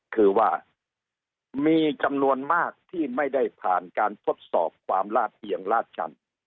คือว่ามีจำนวนมากที่ไม่ได้ผ่านการทดสอบความลาดเอียงลาดชัน